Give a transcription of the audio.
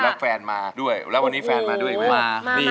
แล้วแฟนมาด้วยแล้ววันนี้แฟนมาด้วยไหม